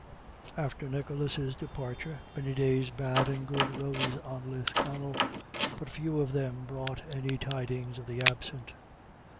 After Nicholas's departure many days bad and good rose on Lisconnel, but few of them brought any tidings of the absent.